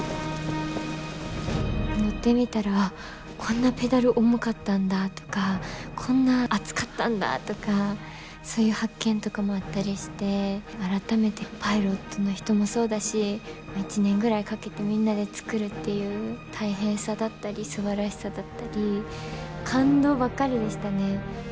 乗ってみたらこんなペダル重かったんだとかこんな暑かったんだとかそういう発見とかもあったりして改めてパイロットの人もそうだし１年ぐらいかけてみんなで作るっていう大変さだったりすばらしさだったり感動ばっかりでしたね。